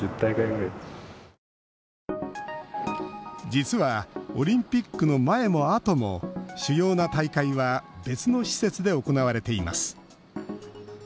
実は、オリンピックの前も後も主要な大会は別の施設で行われています。